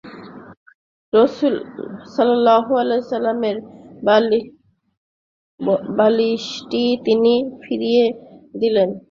রাসূলের বালিশটি তিনি ফিরিয়ে দিলেন।